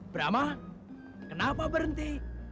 brahma kenapa berhenti